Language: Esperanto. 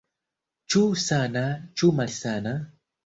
Ĉu sana, ĉu malsana?